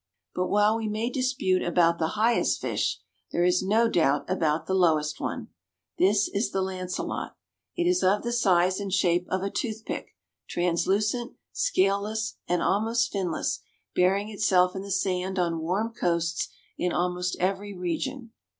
But while we may dispute about the highest fish, there is no doubt about the lowest one. This is the lancelet. It is of the size and shape of a toothpick, translucent, scaleless, and almost finless, burying itself in the sand on warm coasts, in almost every region.